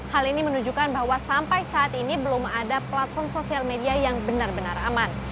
hal ini menunjukkan bahwa sampai saat ini belum ada platform sosial media yang benar benar aman